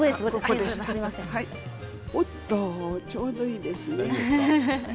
おっとちょうどいいですね。